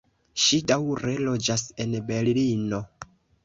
Ŝi daŭre loĝas en Berlino.